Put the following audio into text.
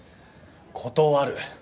断る